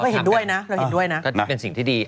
เราก็เห็นด้วยนะนะนะก็เป็นสิ่งที่ดี